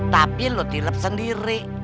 tapi lu tilep sendiri